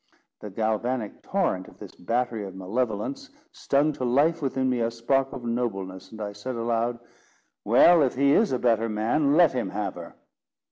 The galvanic torrent of this battery of malevolence stung to life within me a spark of nobleness, and I said aloud, "Well, if he is a better man, let him have her."